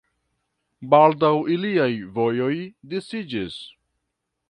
Baldaŭ iliaj vojoj disiĝis.